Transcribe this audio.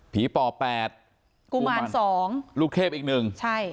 ป่อแปดกุมารสองลูกเทพอีกหนึ่งใช่